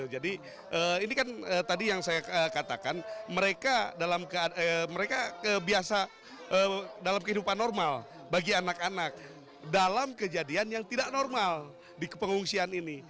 jadi ini kan tadi yang saya katakan mereka kebiasa dalam kehidupan normal bagi anak anak dalam kejadian yang tidak normal di pengungsian ini